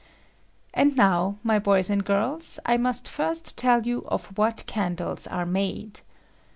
And now, my boys and girls, I must first tell you of what candles are made.